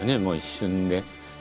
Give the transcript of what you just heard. もう一瞬で。